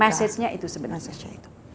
message nya itu sebenarnya